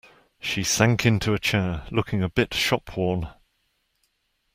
She sank into a chair, looking a bit shop-worn.